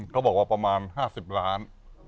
เขาบอกว่าประมาณ๕๐ล้าน